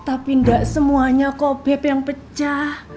tapi gak semuanya kok beb yang pecah